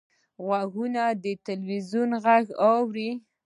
غوږونه د تلویزیون غږ اوري